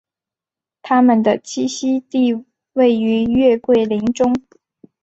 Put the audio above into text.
它们的栖息地位于月桂林中。